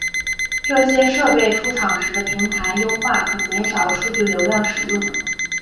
这些设备出厂时的平台优化可减少数据流量使用。